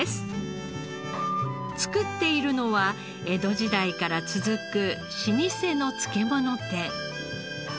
作っているのは江戸時代から続く老舗の漬物店。